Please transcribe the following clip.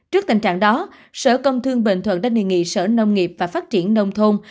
trước tình trạng đó sở công thương bình thuận đã đề nghị sở nông nghiệp và phát triển nông thôn